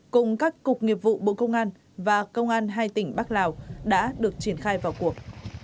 cùng các cục nghiệp vụ bộ công an và công an hai tỉnh bắc lào đã được triển khai vào cuộc